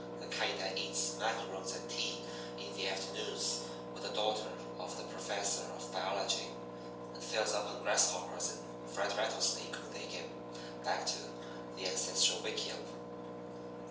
The kind that eats macaroons and tea in the afternoons with the daughter of the professor of biology, and fills up on grasshoppers and fried rattlesnake when they get back to the ancestral wickiup.